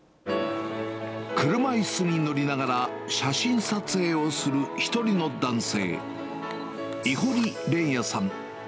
車いすに乗りながら写真撮影をする１人の男性。